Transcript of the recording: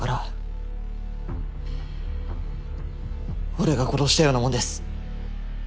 俺が殺したようなもんです。